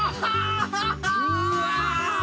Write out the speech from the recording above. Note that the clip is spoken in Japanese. うわ。